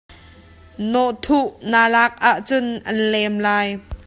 Nawhthuh na lak ahcun a'n lem lai.